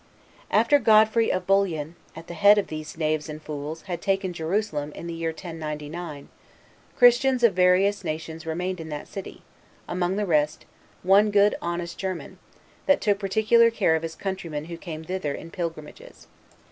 After Godfrey of Bouillon, at the head of these knaves and fools, had taken Jerusalem, in the year 1099, Christians of various nations remained in that city; among the rest, one good honest German, that took particular care of his countrymen who came thither in pilgrimages.